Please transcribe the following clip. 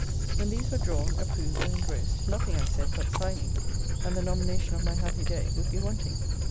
'When these were drawn, approved, and engrossed, nothing, I said, but signing, and the nomination of my happy day, would be wanting.